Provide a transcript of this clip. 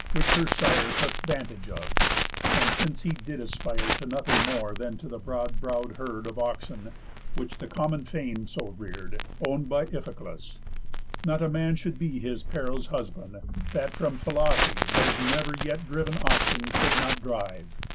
Which her sire Took vantage of, and, since he did aspire To nothing more than to the broad brow'd herd Of oxen, which the common fame so rear'd, Own'd by Iphiclus, not a man should be His Pero's husband, that from Phylace Those never yet driv'n oxen could not drive.